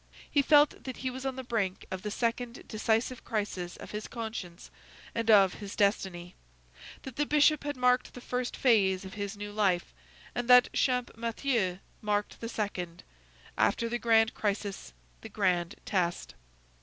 He felt that he was on the brink of the second decisive crisis of his conscience and of his destiny; that the Bishop had marked the first phase of his new life, and that Champmathieu marked the second. After the grand crisis, the grand test.